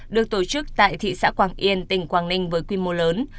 được tổ chức tại thị xá quảng yên tỉnh quảng đinh với quy mô lớn